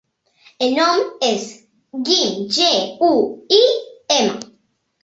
El nom és Guim: ge, u, i, ema.